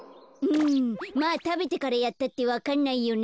まあたべてからやったってわかんないよね。